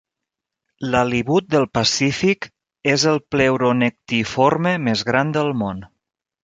L'halibut del Pacífic és el pleuronectiforme més gran del món.